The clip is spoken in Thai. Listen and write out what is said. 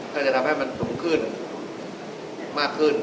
จะทำให้มันสูงขึ้นมากขึ้น